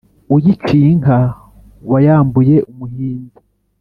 uyiciye inka wayambuye umuhinza.